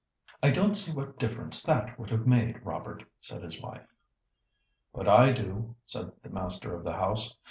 "I don't see what difference that would have made, Robert," said his wife. "But I do," said the master of the house.